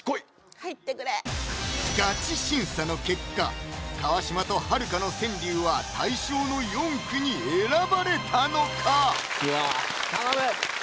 入ってくれガチ審査の結果川島とはるかの川柳は大賞の４句に選ばれたのか⁉うわ頼む！